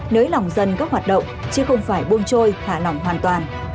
nếu lòng dân có hoạt động chứ không phải buông trôi thả lỏng hoàn toàn